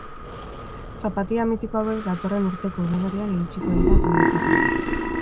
Zapatila mitiko hauek datorren urteko udaberrian iritsiko dira dendetara.